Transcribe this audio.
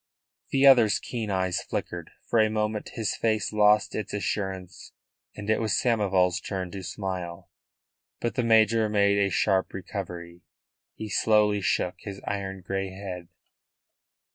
The other's keen eyes flickered. For a moment his face lost its assurance, and it was Samoval's turn to smile. But the major made a sharp recovery. He slowly shook his iron grey head.